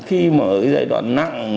khi mà ở cái giai đoạn nặng